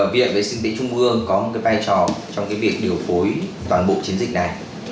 viện vệ sinh dịch tễ trung ương có một cái vai trò trong cái việc điều phối toàn bộ chiến dịch này